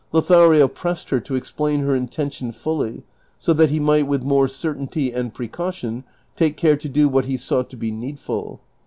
Lothario pressed her to explain her intention fully, so that he might with more certainty and precaution take care to do what he saw to be nectlful.